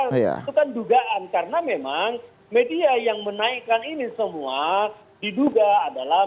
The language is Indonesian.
itu kan dugaan karena memang media yang menaikkan ini semua diduga adalah